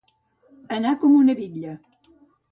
Anar com una bitlla.